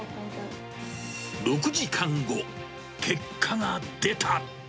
６時間後、結果が出た。